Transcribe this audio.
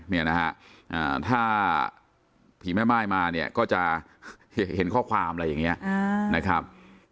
เนี่ยนะฮะถ้าผีแม่ม่ายมาเนี่ยก็จะเห็นข้อความอะไรอย่างนี้นะครับ